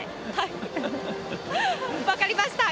分かりました！